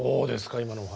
今のお話。